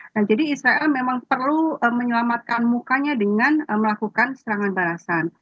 nah jadi israel memang perlu menyelamatkan mukanya dengan melakukan serangan balasan